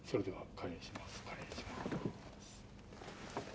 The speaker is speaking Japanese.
開演します。